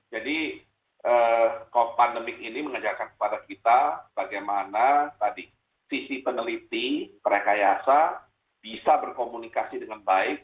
jadi pandemi ini mengajakkan kepada kita bagaimana tadi sisi peneliti rekayasa bisa berkomunikasi dengan baik